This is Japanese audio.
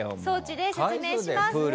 装置で説明します。